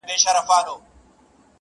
هغه مي سرې سترگي زغملای نسي!